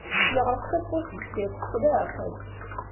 Yeɣleq tawwurt deffir-s s leɛqel.